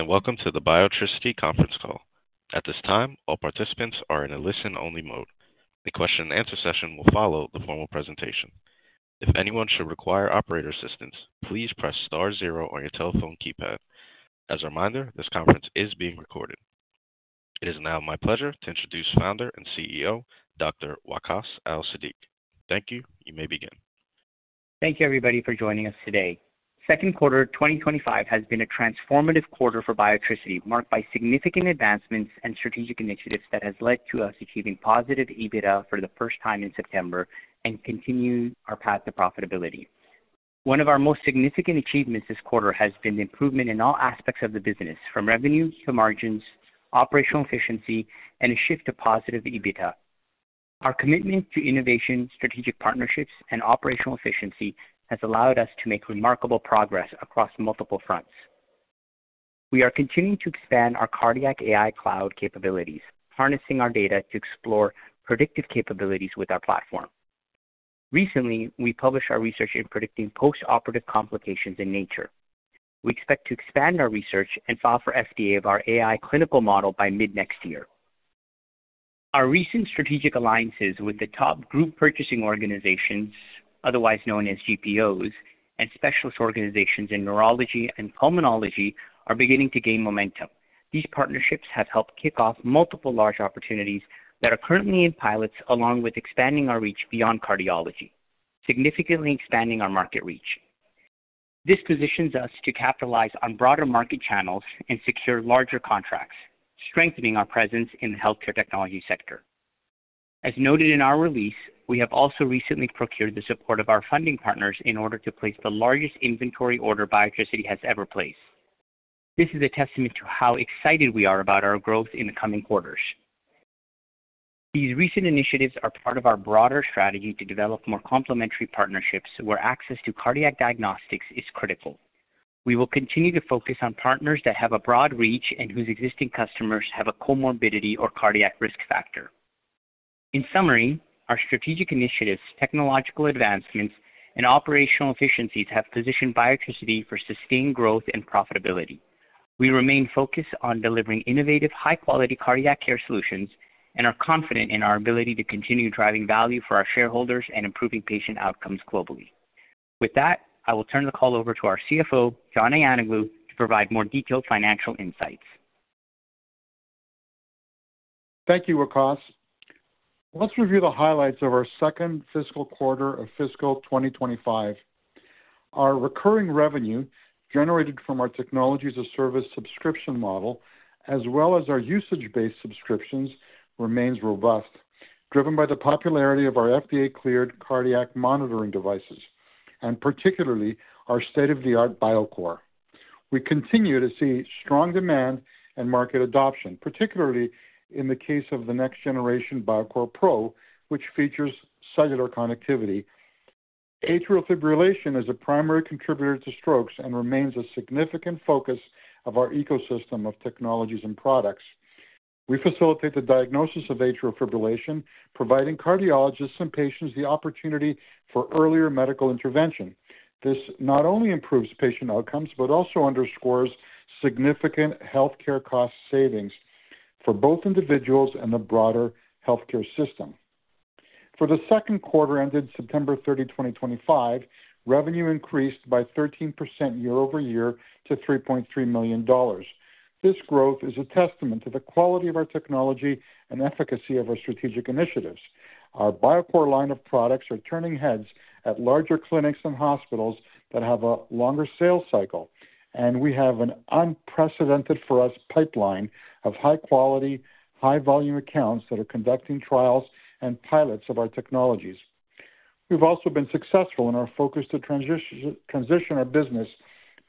Thanks, and welcome to the Biotricity Conference Call. At this time, all participants are in a listen-only mode. The question-and-answer session will follow the formal presentation. If anyone should require operator assistance, please press star zero on your telephone keypad. As a reminder, this conference is being recorded. It is now my pleasure to introduce Founder and CEO, Dr. Waqaas Al-Siddiq. Thank you. You may begin. Thank you, everybody, for joining us today. Second quarter 2025 has been a transformative quarter for Biotricity, marked by significant advancements and strategic initiatives that have led to us achieving positive EBITDA for the first time in September and continuing our path to profitability. One of our most significant achievements this quarter has been the improvement in all aspects of the business, from revenue to margins, operational efficiency, and a shift to positive EBITDA. Our commitment to innovation, strategic partnerships, and operational efficiency has allowed us to make remarkable progress across multiple fronts. We are continuing to expand our Cardiac AI Cloud capabilities, harnessing our data to explore predictive capabilities with our platform. Recently, we published our research in predicting post-operative complications in Nature. We expect to expand our research and file for FDA of our AI clinical model by mid-next year. Our recent strategic alliances with the top group purchasing organizations, otherwise known as GPOs, and specialist organizations in neurology and pulmonology are beginning to gain momentum. These partnerships have helped kick off multiple large opportunities that are currently in pilots, along with expanding our reach beyond cardiology, significantly expanding our market reach. This positions us to capitalize on broader market channels and secure larger contracts, strengthening our presence in the healthcare technology sector. As noted in our release, we have also recently procured the support of our funding partners in order to place the largest inventory order Biotricity has ever placed. This is a testament to how excited we are about our growth in the coming quarters. These recent initiatives are part of our broader strategy to develop more complementary partnerships where access to cardiac diagnostics is critical. We will continue to focus on partners that have a broad reach and whose existing customers have a comorbidity or cardiac risk factor. In summary, our strategic initiatives, technological advancements, and operational efficiencies have positioned Biotricity for sustained growth and profitability. We remain focused on delivering innovative, high-quality cardiac care solutions and are confident in our ability to continue driving value for our shareholders and improving patient outcomes globally. With that, I will turn the call over to our CFO, John Ayanoglou, to provide more detailed financial insights. Thank you, Waqaas. Let's review the highlights of our second fiscal quarter of fiscal 2025. Our recurring revenue generated from our technology-as-a-service subscription model, as well as our usage-based subscriptions, remains robust, driven by the popularity of our FDA-cleared cardiac monitoring devices, and particularly our state-of-the-art Biocore. We continue to see strong demand and market adoption, particularly in the case of the next-generation Biocore Pro, which features cellular connectivity. Atrial fibrillation is a primary contributor to strokes and remains a significant focus of our ecosystem of technologies and products. We facilitate the diagnosis of atrial fibrillation, providing cardiologists and patients the opportunity for earlier medical intervention. This not only improves patient outcomes but also underscores significant healthcare cost savings for both individuals and the broader healthcare system. For the second quarter ended September 30, 2025, revenue increased by 13% year-over-year to $3.3 million. This growth is a testament to the quality of our technology and efficacy of our strategic initiatives. Our Biocore line of products are turning heads at larger clinics and hospitals that have a longer sales cycle, and we have an unprecedented-for-us pipeline of high-quality, high-volume accounts that are conducting trials and pilots of our technologies. We've also been successful in our focus to transition our business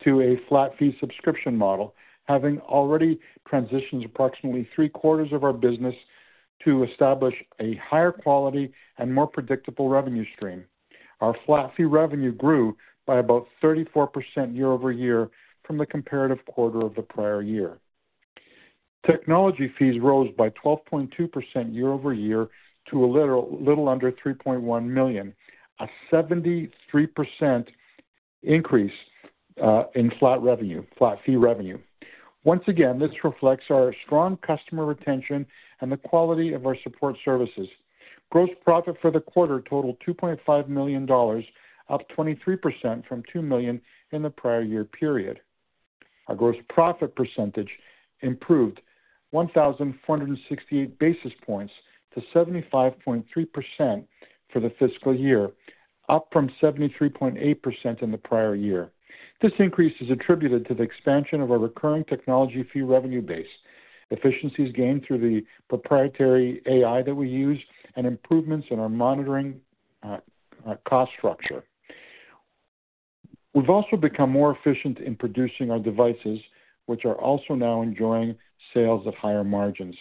to a flat-fee subscription model, having already transitioned approximately three-quarters of our business to establish a higher quality and more predictable revenue stream. Our flat-fee revenue grew by about 34% year-over-year from the comparative quarter of the prior year. Technology fees rose by 12.2% year-over-year to a little under $3.1 million, a 73% increase in flat revenue, flat-fee revenue. Once again, this reflects our strong customer retention and the quality of our support services. Gross profit for the quarter totaled $2.5 million, up 23% from $2 million in the prior year period. Our gross profit percentage improved 1,468 basis points to 75.3% for the fiscal year, up from 73.8% in the prior year. This increase is attributed to the expansion of our recurring technology fee revenue base, efficiencies gained through the proprietary AI that we use, and improvements in our monitoring cost structure. We've also become more efficient in producing our devices, which are also now enjoying sales at higher margins.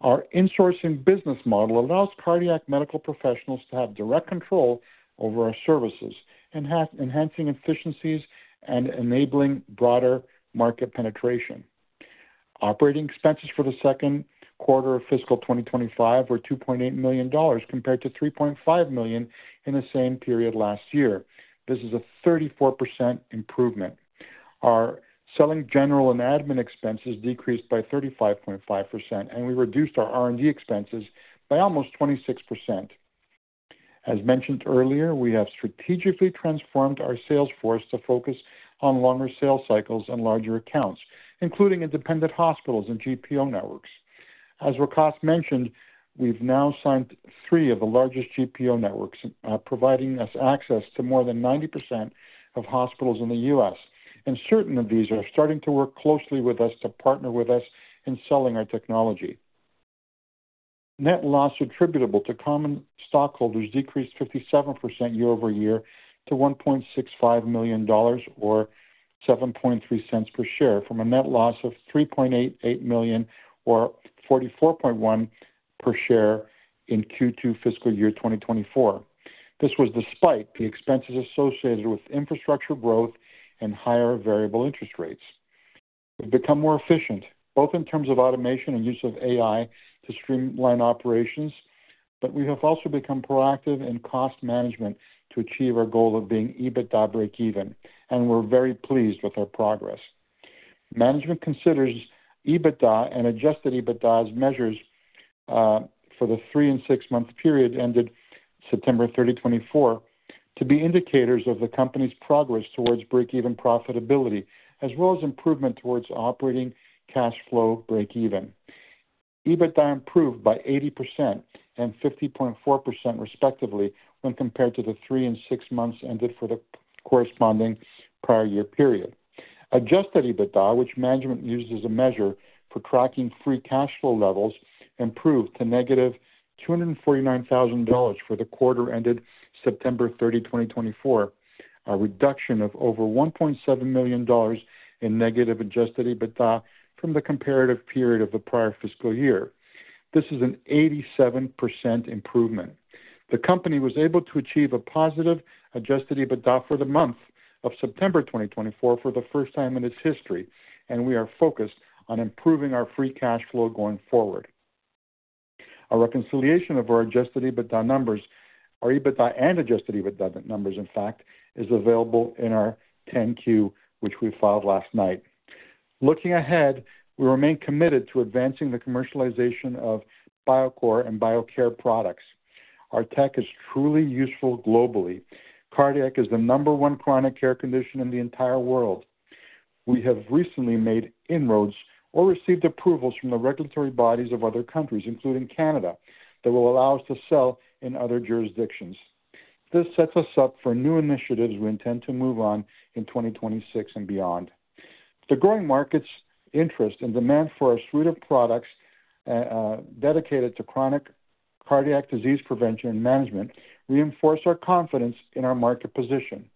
Our insourcing business model allows cardiac medical professionals to have direct control over our services, enhancing efficiencies and enabling broader market penetration. Operating expenses for the second quarter of fiscal 2025 were $2.8 million compared to $3.5 million in the same period last year. This is a 34% improvement. Our selling general and admin expenses decreased by 35.5%, and we reduced our R&D expenses by almost 26%. As mentioned earlier, we have strategically transformed our sales force to focus on longer sales cycles and larger accounts, including independent hospitals and GPO networks. As Waqaas mentioned, we've now signed three of the largest GPO networks, providing us access to more than 90% of hospitals in the U.S., and certain of these are starting to work closely with us to partner with us in selling our technology. Net loss attributable to common stockholders decreased 57% year-over-year to $1.65 million or 7.3 cents per share from a net loss of $3.88 million or 44.1 cents per share in Q2 fiscal year 2024. This was despite the expenses associated with infrastructure growth and higher variable interest rates. We've become more efficient, both in terms of automation and use of AI to streamline operations, but we have also become proactive in cost management to achieve our goal of being EBITDA break-even, and we're very pleased with our progress. Management considers EBITDA and adjusted EBITDA as measures for the three and six-month period ended September 30, 2024, to be indicators of the company's progress towards break-even profitability, as well as improvement towards operating cash flow break-even. EBITDA improved by 80% and 50.4% respectively when compared to the three and six months ended for the corresponding prior year period. Adjusted EBITDA, which management uses as a measure for tracking free cash flow levels, improved to negative $249,000 for the quarter ended September 30, 2024, a reduction of over $1.7 million in negative adjusted EBITDA from the comparative period of the prior fiscal year. This is an 87% improvement. The company was able to achieve a positive Adjusted EBITDA for the month of September 2024 for the first time in its history, and we are focused on improving our free cash flow going forward. Our reconciliation of our Adjusted EBITDA numbers, our EBITDA and Adjusted EBITDA numbers, in fact, is available in our 10-Q, which we filed last night. Looking ahead, we remain committed to advancing the commercialization of Biocore and Biocare products. Our tech is truly useful globally. Cardiac is the number one chronic care condition in the entire world. We have recently made inroads or received approvals from the regulatory bodies of other countries, including Canada, that will allow us to sell in other jurisdictions. This sets us up for new initiatives we intend to move on in 2026 and beyond. The growing market's interest and demand for our suite of products dedicated to chronic cardiac disease prevention and management reinforce our confidence in our market position.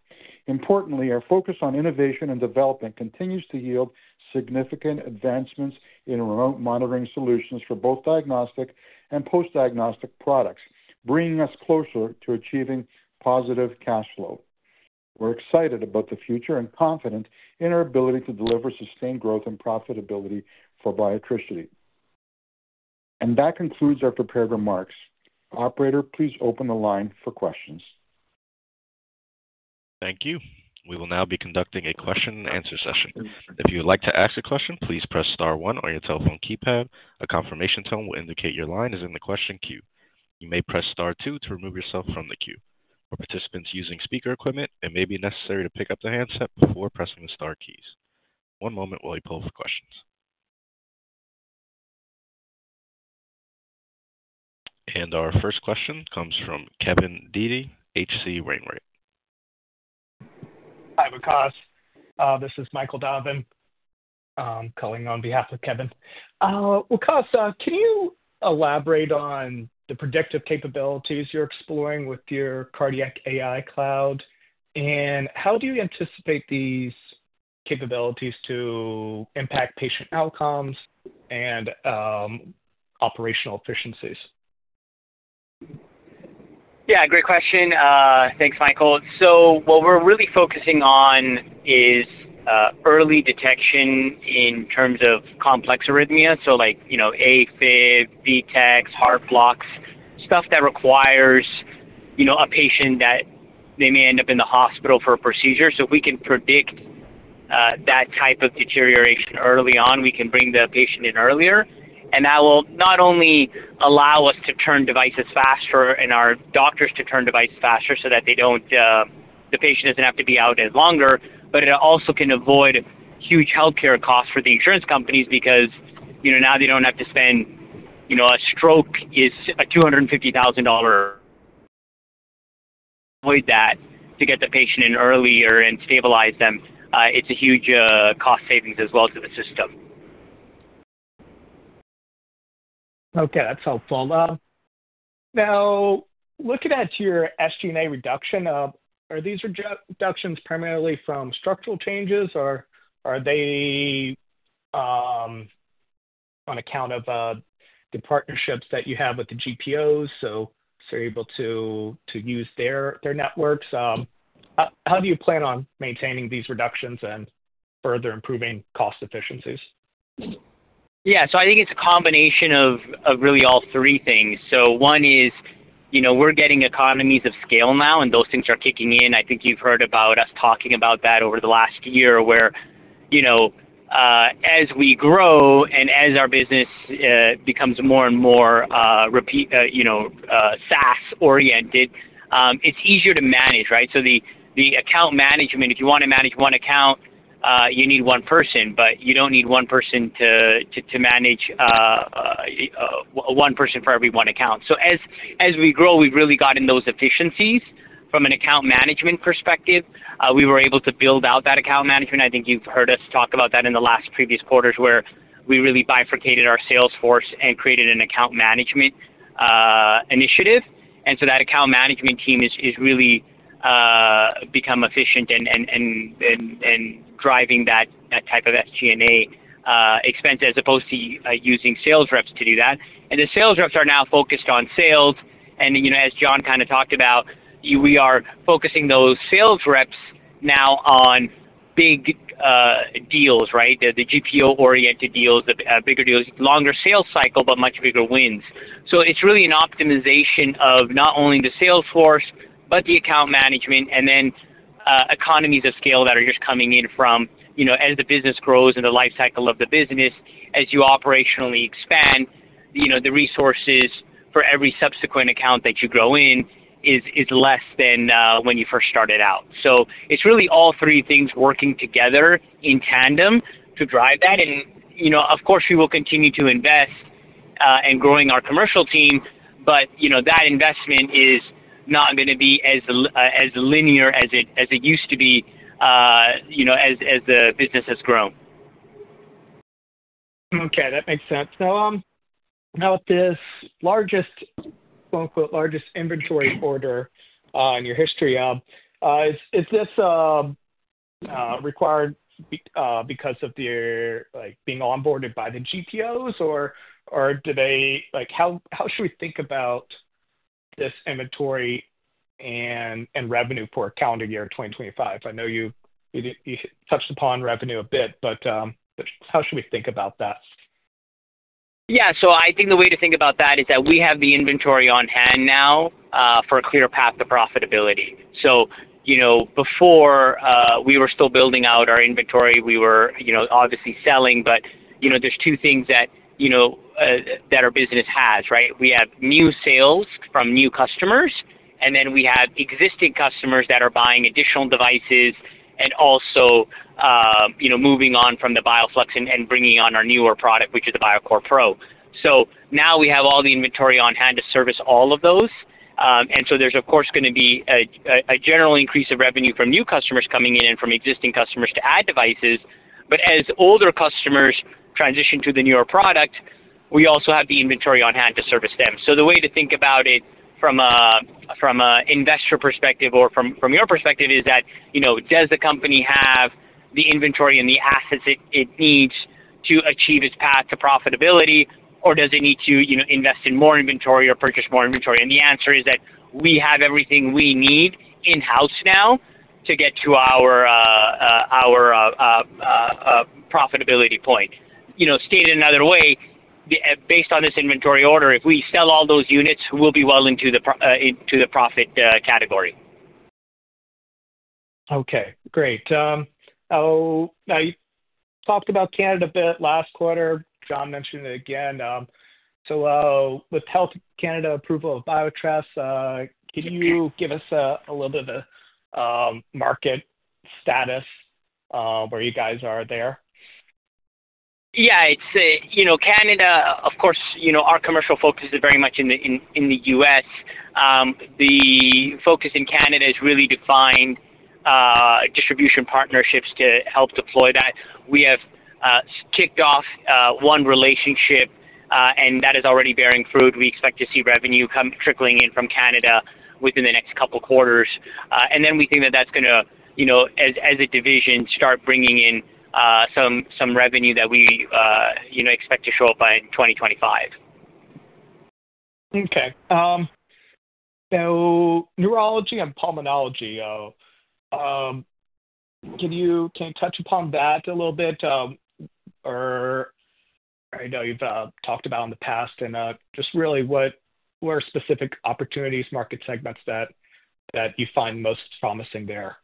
Importantly, our focus on innovation and development continues to yield significant advancements in remote monitoring solutions for both diagnostic and post-diagnostic products, bringing us closer to achieving positive cash flow. We're excited about the future and confident in our ability to deliver sustained growth and profitability for Biotricity, and that concludes our prepared remarks. Operator, please open the line for questions. Thank you. We will now be conducting a question-and-answer session. If you would like to ask a question, please press star one on your telephone keypad. A confirmation tone will indicate your line is in the question queue. You may press star two to remove yourself from the queue. For participants using speaker equipment, it may be necessary to pick up the handset before pressing the star keys. One moment while we pull up the questions. And our first question comes from Kevin Dede, H.C. Wainwright. Hi, Waqaas. This is Michael Donovan. I'm calling on behalf of Kevin. Waqaas, can you elaborate on the predictive capabilities you're exploring with your Cardiac AI Cloud, and how do you anticipate these capabilities to impact patient outcomes and operational efficiencies? Yeah, great question. Thanks, Michael. So what we're really focusing on is early detection in terms of complex arrhythmia, so like AFib, V-tachs, heart blocks, stuff that requires a patient that they may end up in the hospital for a procedure. So if we can predict that type of deterioration early on, we can bring the patient in earlier. And that will not only allow us to turn devices faster and our doctors to turn devices faster so that the patient doesn't have to be out as longer, but it also can avoid huge healthcare costs for the insurance companies because now they don't have to spend, a stroke is a $250,000. Avoid that to get the patient in earlier and stabilize them. It's a huge cost savings as well to the system. Okay, that's helpful. Now, looking at your SG&A reduction, are these reductions primarily from structural changes, or are they on account of the partnerships that you have with the GPOs? So you're able to use their networks. How do you plan on maintaining these reductions and further improving cost efficiencies? Yeah, so I think it's a combination of really all three things. So one is we're getting economies of scale now, and those things are kicking in. I think you've heard about us talking about that over the last year where as we grow and as our business becomes more and more SaaS-oriented, it's easier to manage, right? So the account management, if you want to manage one account, you need one person, but you don't need one person to manage one person for every one account. So as we grow, we've really gotten those efficiencies from an account management perspective. We were able to build out that account management. I think you've heard us talk about that in the last previous quarters where we really bifurcated our sales force and created an account management initiative. And so that account management team has really become efficient in driving that type of SG&A expense as opposed to using sales reps to do that. And the sales reps are now focused on sales. And as John kind of talked about, we are focusing those sales reps now on big deals, right? The GPO-oriented deals, the bigger deals, longer sales cycle, but much bigger wins. So it's really an optimization of not only the sales force, but the account management, and then economies of scale that are just coming in from as the business grows and the lifecycle of the business, as you operationally expand, the resources for every subsequent account that you grow in is less than when you first started out. So it's really all three things working together in tandem to drive that. Of course, we will continue to invest in growing our commercial team, but that investment is not going to be as linear as it used to be as the business has grown. Okay, that makes sense. Now, this largest, quote-unquote, largest inventory order in your history, is this required because of being onboarded by the GPOs, or how should we think about this inventory and revenue for calendar year 2025? I know you touched upon revenue a bit, but how should we think about that? Yeah, so I think the way to think about that is that we have the inventory on hand now for a clear path to profitability. So before we were still building out our inventory, we were obviously selling, but there's two things that our business has, right? We have new sales from new customers, and then we have existing customers that are buying additional devices and also moving on from the Bioflux and bringing on our newer product, which is the Biocore Pro. So now we have all the inventory on hand to service all of those. And so there's, of course, going to be a general increase of revenue from new customers coming in and from existing customers to add devices. But as older customers transition to the newer product, we also have the inventory on hand to service them. The way to think about it from an investor perspective or from your perspective is that, does the company have the inventory and the assets it needs to achieve its path to profitability, or does it need to invest in more inventory or purchase more inventory? The answer is that we have everything we need in-house now to get to our profitability point. Stated another way, based on this inventory order, if we sell all those units, we'll be well into the profit category. Okay, great. Now, you talked about Canada a bit last quarter. John mentioned it again. So with Health Canada approval of Biotres, can you give us a little bit of the market status where you guys are there? Yeah, it's Canada. Of course, our commercial focus is very much in the U.S. The focus in Canada is really to find distribution partnerships to help deploy that. We have kicked off one relationship, and that is already bearing fruit. We expect to see revenue trickling in from Canada within the next couple of quarters, and then we think that that's going to, as a division, start bringing in some revenue that we expect to show up by 2025. Okay. So neurology and pulmonology, can you touch upon that a little bit? I know you've talked about in the past, and just really what are specific opportunities, market segments that you find most promising there?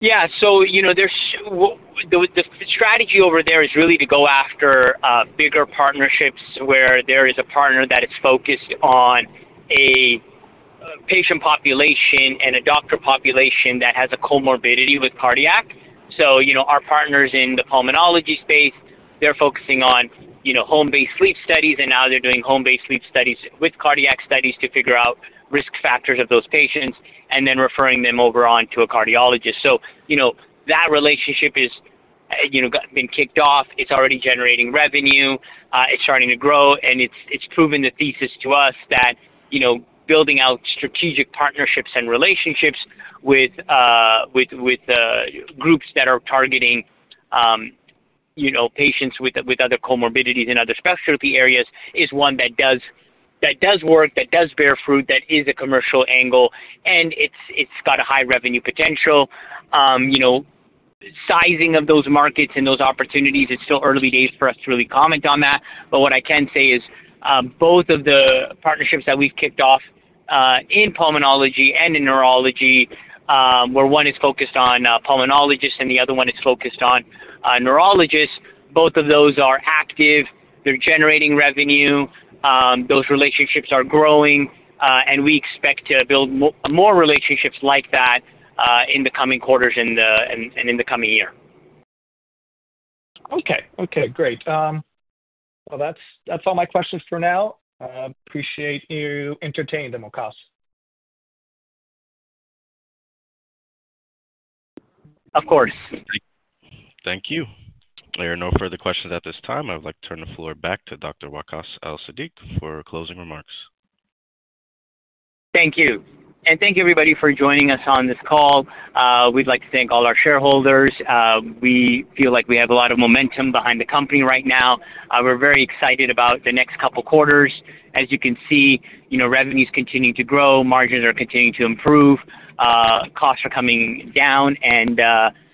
Yeah, so the strategy over there is really to go after bigger partnerships where there is a partner that is focused on a patient population and a doctor population that has a comorbidity with cardiac. So our partners in the pulmonology space, they're focusing on home-based sleep studies, and now they're doing home-based sleep studies with cardiac studies to figure out risk factors of those patients and then referring them over on to a cardiologist. So that relationship has been kicked off. It's already generating revenue. It's starting to grow, and it's proven the thesis to us that building out strategic partnerships and relationships with groups that are targeting patients with other comorbidities in other specialty areas is one that does work, that does bear fruit, that is a commercial angle, and it's got a high revenue potential. Sizing of those markets and those opportunities, it's still early days for us to really comment on that. But what I can say is both of the partnerships that we've kicked off in pulmonology and in neurology, where one is focused on pulmonologists and the other one is focused on neurologists, both of those are active. They're generating revenue. Those relationships are growing, and we expect to build more relationships like that in the coming quarters and in the coming year. Okay, okay, great. Well, that's all my questions for now. Appreciate you entertaining them, Waqaas. Of course. Thank you. There are no further questions at this time. I would like to turn the floor back to Dr. Waqaas Al-Siddiq for closing remarks. Thank you. And thank you, everybody, for joining us on this call. We'd like to thank all our shareholders. We feel like we have a lot of momentum behind the company right now. We're very excited about the next couple of quarters. As you can see, revenues continuing to grow, margins are continuing to improve, costs are coming down,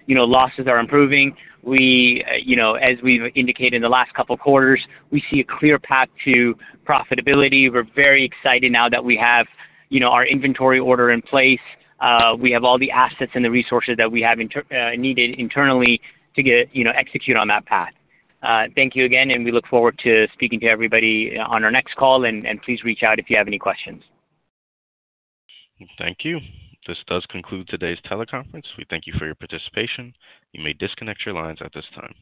and losses are improving. As we've indicated in the last couple of quarters, we see a clear path to profitability. We're very excited now that we have our inventory order in place. We have all the assets and the resources that we have needed internally to execute on that path. Thank you again, and we look forward to speaking to everybody on our next call, and please reach out if you have any questions. Thank you. This does conclude today's teleconference. We thank you for your participation. You may disconnect your lines at this time.